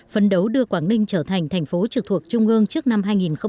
phấn đấu đưa quảng ninh trở thành thành phố trực thuộc trung ương trước năm hai nghìn ba mươi